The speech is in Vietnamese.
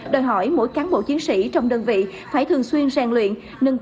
đời hỏi mỗi cán bộ chiến sĩ trong đơn vị phải thường xuyên sàng luyện